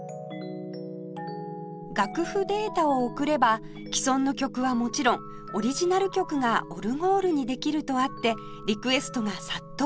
楽譜データを送れば既存の曲はもちろんオリジナル曲がオルゴールにできるとあってリクエストが殺到